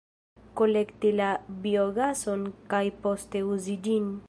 Kolekti la biogason kaj poste uzi ĝin.